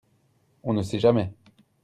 on ne sait jamais.